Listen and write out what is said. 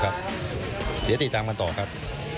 เดี๋ยวติดตามกันต่อครับ